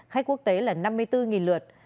khách quốc tế là năm mươi bốn lượt